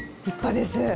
立派です。